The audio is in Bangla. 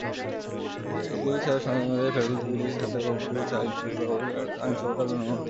এগুলি ছাড়াও সংবিধানের ফেডারেল প্রকৃতির সাথে সম্পর্কিত কিছু সংশোধনী অবশ্যই সংখ্যাগরিষ্ঠ রাজ্য আইনসভা দ্বারা অনুমোদন করা উচিত।